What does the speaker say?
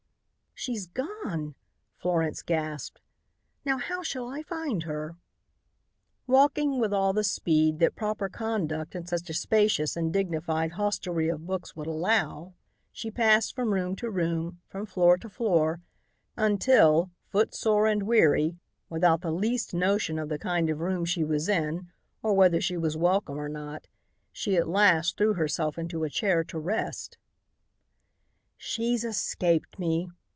"She's gone!" Florence gasped. "Now how shall I find her?" Walking with all the speed that proper conduct in such a spacious and dignified hostelry of books would allow, she passed from room to room, from floor to floor, until, footsore and weary, without the least notion of the kind of room she was in or whether she was welcome or not, she at last threw herself into a chair to rest. "She's escaped me!"